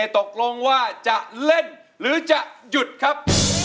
ตกลงว่าจะเล่นหรือจะหยุดครับ